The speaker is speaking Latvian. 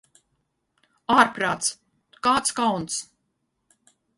Ārprāts, kāds kauns!